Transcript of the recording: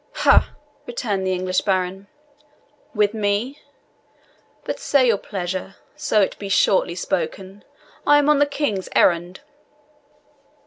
"Ha!" returned the English baron, "with me? But say your pleasure, so it be shortly spoken I am on the King's errand."